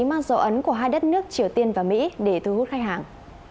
mang dấu ấn của hai đất nước triều tiên và mỹ để thu hút khách hàng